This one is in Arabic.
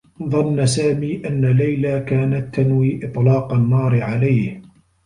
ظنّ سامي أنّ ليلى كانت تنوي إطلاق النّار عليه.